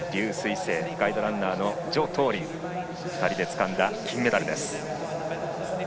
青とガイドランナーの徐冬林２人でつかんだ金メダルです。